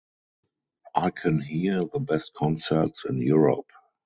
I can hear the best concerts in Europe.